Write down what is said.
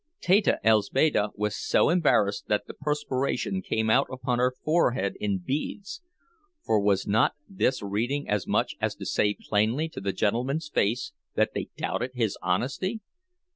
Teta Elzbieta was so embarrassed that the perspiration came out upon her forehead in beads; for was not this reading as much as to say plainly to the gentleman's face that they doubted his honesty?